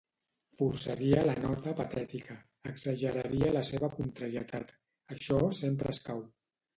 Forçaria la nota patètica, exageraria la seva contrarietat: això sempre escau.